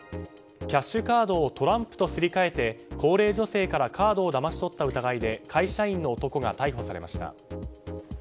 キャッシュカードをトランプとすり替えて高齢女性からカードをだまし取った疑いで会社員の男が逮捕されました。